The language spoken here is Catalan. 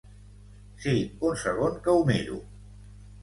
Sí, un segon que ho miro.